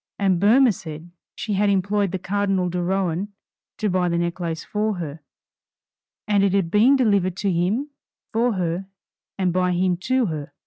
And Boehmer said, she had employed the Cardinal de Rohan to buy the necklace for her, and it had been delivered to him for her, and by him to her.